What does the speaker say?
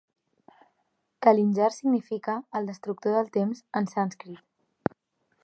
Kalinjar significa "el destructor del temps" en sànscrit.